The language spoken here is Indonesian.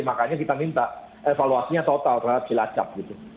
makanya kita minta evaluasinya total terhadap cilacap gitu